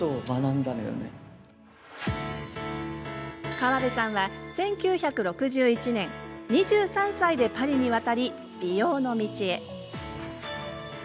川邉さんは、１９６１年２３歳でパリに渡り、美容の道へ。